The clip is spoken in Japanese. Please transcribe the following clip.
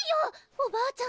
おばあちゃん